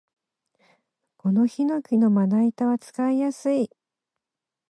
このヒノキのまな板は使いやすい